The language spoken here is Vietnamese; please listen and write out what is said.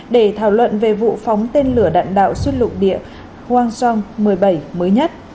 để thảo luận về vụ phóng tên lửa đạn đạo xuất lụng địa hwang jong một mươi bảy mới nhất